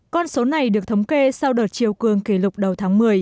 con số này được thống kê sau đợt chiều cường kỷ lục đầu tháng một mươi